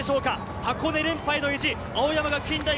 箱根連覇への意地、青山学院大学。